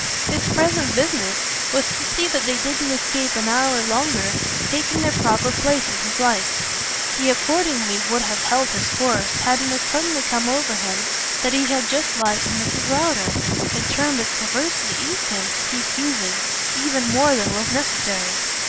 His present business was to see that they didn't escape an hour longer taking their proper place in his life. He accordingly would have held his course hadn't it suddenly come over him that he had just lied to Mrs. Lowder a term it perversely eased him to keep using even more than was necessary.